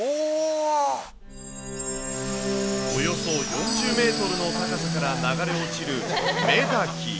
およそ４０メートルの高さから流れ落ちる雌滝。